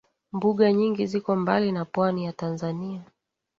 Mbuga nyingi ziko mbali na pwani ya Tanzania